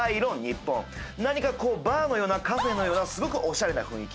何かこうバーのようなカフェのようなすごくおしゃれな雰囲気。